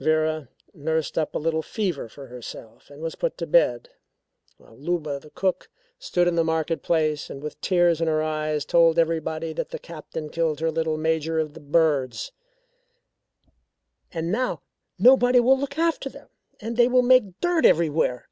Vera nursed up a little fever for herself and was put to bed, while Luba, the cook, stood in the market place and with tears in her eyes told everybody that the Captain killed her little Major of the Birds "and now nobody will look after them, and they will make dirt everywhere.